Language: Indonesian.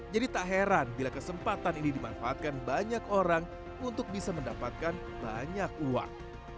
jadi tak heran bila kesempatan ini dimanfaatkan banyak orang untuk bisa mendapatkan banyak uang